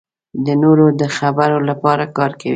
د نورو د خیر لپاره کار کوي.